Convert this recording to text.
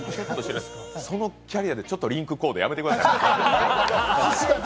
そのキャリアでちょっとリンクコーデ、やめてください。